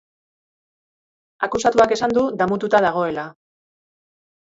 Akusatuak esan du damututa dagoela.